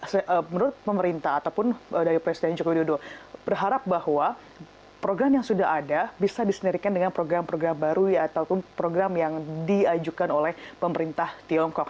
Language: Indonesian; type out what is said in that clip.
jadi menurut pemerintah ataupun dari presiden joko widodo berharap bahwa program yang sudah ada bisa disenergikan dengan program program baru ataupun program yang diajukan oleh pemerintah tiongkok